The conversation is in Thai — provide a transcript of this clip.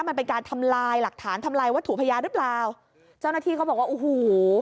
มันเป็นการทำลายหลักฐานทำลายวัตถุพยานหรือเปล่าเจ้าหน้าที่เขาบอกว่าโอ้โห